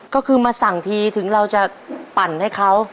ก็คือมาสั่งทีถึงเราจะปั่นให้เขา